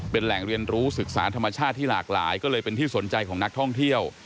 เป็นแหล่งเรียนรู้ศึกษาธรรมชาติที่หลากหลายก็เลยเป็นที่สนใจของนักท่องเที่ยว